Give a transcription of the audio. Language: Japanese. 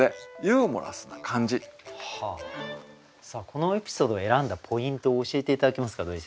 このエピソードを選んだポイントを教えて頂けますか土井先生。